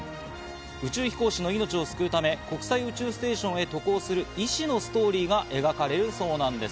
宇宙飛行士の命を救うため、国際宇宙ステーションへ渡航する医師のストーリーが描かれるそうなんです。